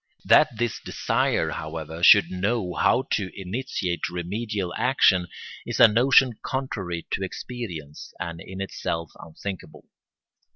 That this desire, however, should know how to initiate remedial action is a notion contrary to experience and in itself unthinkable.